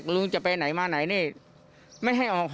ลุงจะไปไหนมาไหนนี่